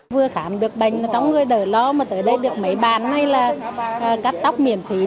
vừa khám được bệnh trong người đỡ lo mà tới đây được mấy bàn hay là cắt tóc miễn phí